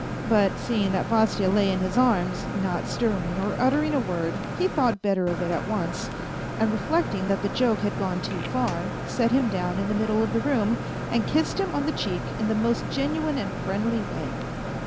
But seeing that Vasya lay in his arms, not stirring or uttering a word, he thought better of it at once, and reflecting that the joke had gone too far, set him down in the middle of the room and kissed him on the cheek in the most genuine and friendly way.